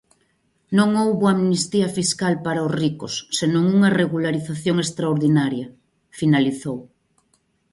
"Non houbo amnistía fiscal para os ricos, senón unha regularización extraordinaria", finalizou.